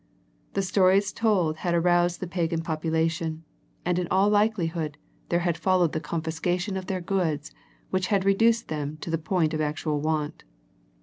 The stories told had aroused the pagan population, and in all likelihood, there had followed the confiscation of their goods which had reduced them to the point of actual want.